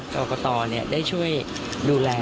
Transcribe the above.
กรกฏอเนี่ยได้ช่วยดูแล